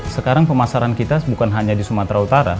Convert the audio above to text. sekarang pemasaran kita bukan hanya di sumatera utara